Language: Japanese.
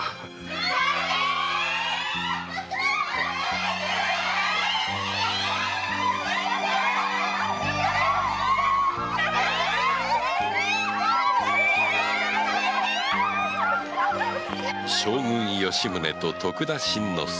賛成‼将軍・吉宗と徳田新之助。